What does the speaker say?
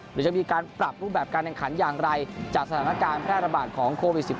หรือจะมีการปรับรูปแบบการแข่งขันอย่างไรจากสถานการณ์แพร่ระบาดของโควิด๑๙